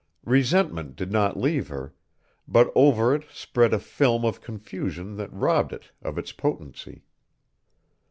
Resentment did not leave her, but over it spread a film of confusion that robbed it of its potency.